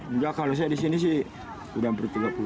enggak kalau saya di sini sih sudah ber tiga puluh tahun